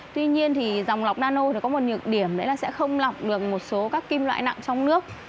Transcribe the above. tuy nhiên thì dòng lọc nano thì có một nhược điểm đấy là sẽ không lọc được một số các kim loại nặng trong nước